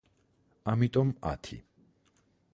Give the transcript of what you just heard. ამიტომ — ათი.